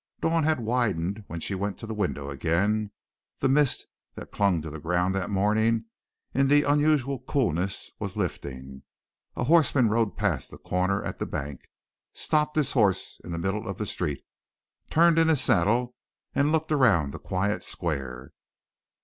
Dawn had widened when she went to the window again, the mist that clung to the ground that morning in the unusual coolness was lifting. A horseman rode past the corner at the bank, stopped his horse in the middle of the street, turned in his saddle and looked around the quiet square.